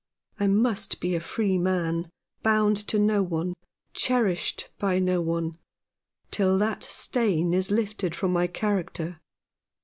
I must be a free man — bound to no one — cherished by no one — till that stain is lifted from my character."